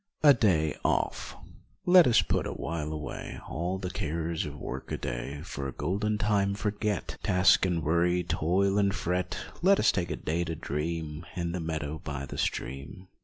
50 A DAY OFF Let us put awhile away All the cares of work a day, For a golden time forget, Task and worry, toil and fret, Let us take a day to dream In the meadow by the stream.